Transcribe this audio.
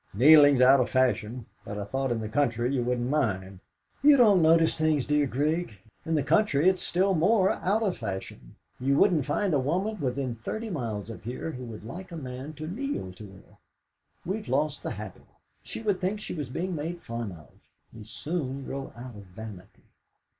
"Kneeling's out of fashion, but I thought in the country you wouldn't mind!" "You don't notice things, dear Grig. In the country it's still more out of fashion. You wouldn't find a woman within thirty miles of here who would like a man to kneel to her. We've lost the habit. She would think she was being made fun of. We soon grow out of vanity!"